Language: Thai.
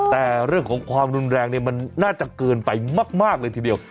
แต่เรื่องของความรุนแรงเนี่ยมันน่าจะเกินไปมากเลยทีเดียว